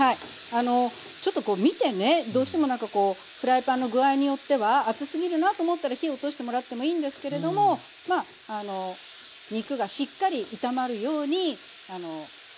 あのちょっとこう見てねどうしてもなんかこうフライパンの具合によっては熱すぎるなと思ったら火を落としてもらってもいいんですけれどもまあ肉がしっかり炒まるように火を通していきますね。